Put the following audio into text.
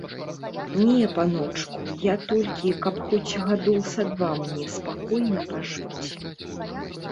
Не, паночку, я толькі, каб хоць гадоў са два мне спакойна пажыць.